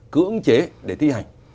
cứ ứng chế để thi hành